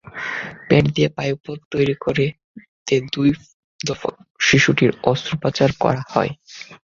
পেট দিয়ে পায়ুপথ তৈরি করতে দুই দফা শিশুটির অস্ত্রোপচার করা হয়।